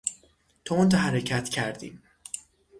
تند حرکت کردیم.